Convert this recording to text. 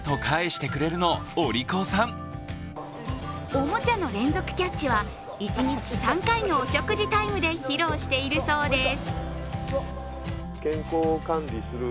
おもちゃの連続キャッチは一日３回のお食事タイムで披露しているそうです。